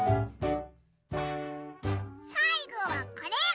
さいごはこれ！